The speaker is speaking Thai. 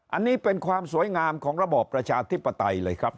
อันนี้เป็นความสวยงามของระบอบประชาธิปไตยเลยครับ